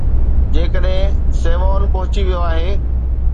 جيڪڏهن Savon پهچي ويو آهي.